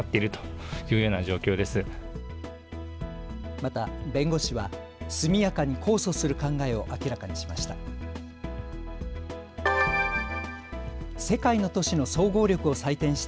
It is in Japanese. また弁護士は速やかに控訴する考えを明らかにしました。